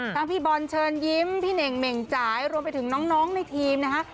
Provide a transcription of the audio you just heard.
พี่บอลเชิญยิ้มพี่เน่งเหม่งจ่ายรวมไปถึงน้องในทีมนะคะ